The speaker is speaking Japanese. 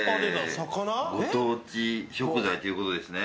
ご当地食材ということですね？